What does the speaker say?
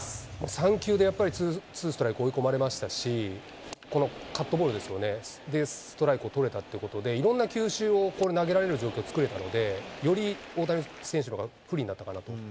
３球でやっぱりツーストライク、追い込まれましたし、このカットボールですよね、ストライクを取れたということで、いろんな球種を投げられる状況を作れたので、より大谷選手のほうが不利になったかなと思う。